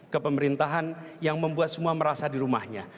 kepemerintahan yang membuat semua merasa dirumahnya